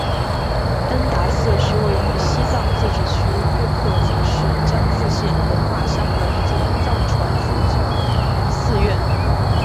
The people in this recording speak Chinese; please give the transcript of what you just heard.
恩达寺是位于西藏自治区日喀则市江孜县龙马乡的一座藏传佛教的女尼寺院。